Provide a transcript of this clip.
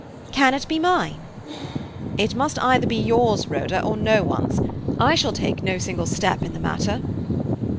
"Can it be mine?" "It must either be yours, Rhoda, or no one's. I shall take no single step in the matter."